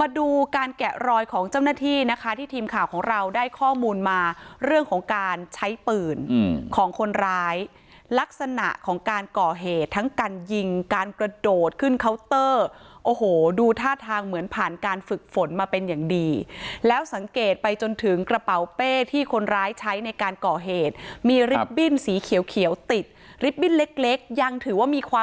มาดูการแกะรอยของเจ้าหน้าที่นะคะที่ทีมข่าวของเราได้ข้อมูลมาเรื่องของการใช้ปืนของคนร้ายลักษณะของการก่อเหตุทั้งการยิงการกระโดดขึ้นเคาน์เตอร์โอ้โหดูท่าทางเหมือนผ่านการฝึกฝนมาเป็นอย่างดีแล้วสังเกตไปจนถึงกระเป๋าเป้ที่คนร้ายใช้ในการก่อเหตุมีลิฟต์บิ้นสีเขียวเขียวติดลิฟต์บิ้นเล็กเล็กยังถือว่ามีความ